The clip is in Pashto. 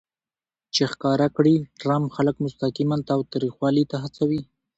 چې ښکاره کړي ټرمپ خلک مستقیماً تاوتریخوالي ته هڅوي